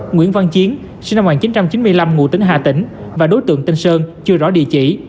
nguyễn văn chiến sinh năm một nghìn chín trăm chín mươi năm ngụ tính hà tĩnh và đối tượng tinh sơn chưa rõ địa chỉ